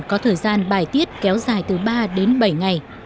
có thời gian bài tiết kéo dài từ ba đến bảy ngày